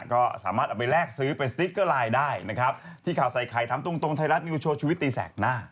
ก็สามารถเอาไปแลกซื้อไปสติ๊กเกอร์ไลน์ได้นะครับที่ข่าวใส่ไข่ถามตรงตรงไทยรัฐนิวโชว์ชีวิตตีแสกหน้า